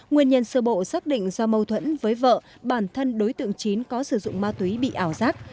nguyên nhân sơ bộ xác định do mâu thuẫn với vợ bản thân đối tượng chín có sử dụng ma túy bị ảo giác